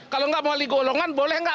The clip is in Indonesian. kalau nggak mewakili golongan boleh nggak